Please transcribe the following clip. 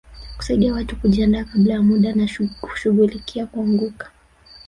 Kusaidia watu kujiandaa kabla ya muda na kushughulikia kuanguka